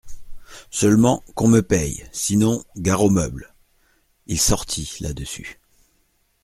Seulement, qu'on me paye, sinon, gare aux meubles !… Il sortit, là-dessus.